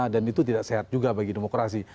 dan itu tidak sehat juga bagi demokrasi